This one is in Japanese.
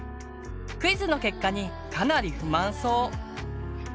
クイズの結果にかなり不満そう。